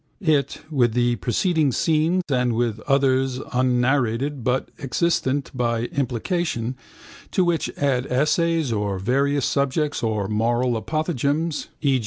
It, with the preceding scene and with others unnarrated but existent by implication, to which add essays on various subjects or moral apothegms (e.